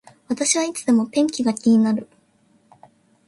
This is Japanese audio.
私はいつでも天気が気になる